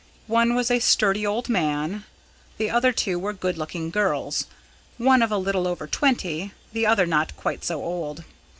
One was a sturdy old man; the other two were good looking girls, one of a little over twenty, the other not quite so old.